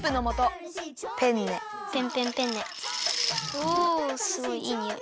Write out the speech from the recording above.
おおすごいいいにおい。